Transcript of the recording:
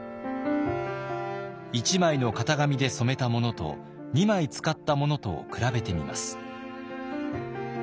１枚の型紙で染めたものと２枚使ったものとを比べてみます。